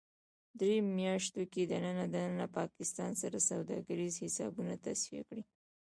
دریو میاشتو کې دننه ـ دننه پاکستان سره سوداګریز حسابونه تصفیه کړئ